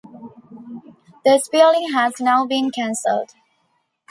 This building has now been cancelled.